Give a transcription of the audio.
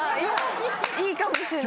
いいかもしれない。